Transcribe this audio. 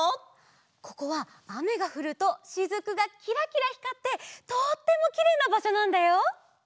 ここはあめがふるとしずくがキラキラひかってとってもきれいなばしょなんだよ！